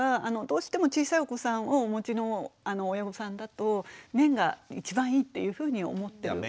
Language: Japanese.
どうしても小さいお子さんをお持ちの親御さんだと綿が一番いいっていうふうに思ってる。